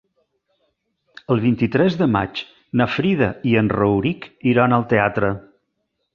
El vint-i-tres de maig na Frida i en Rauric iran al teatre.